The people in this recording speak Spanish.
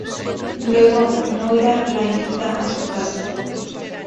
Luego, Moira la invita a su casa.